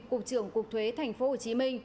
cục trưởng cục thuế tp hcm